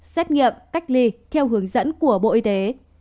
xét nghiệm cách ly theo hướng dẫn của bộ y tế